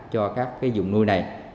cho các cái vùng nuôi này